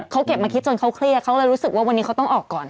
เขาเก็บมาคิดจนเขาเครียดเขาเลยรู้สึกว่าวันนี้เขาต้องออกก่อน